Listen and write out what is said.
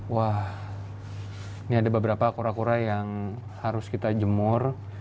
wah ini ada beberapa kura kura yang harus kita jemur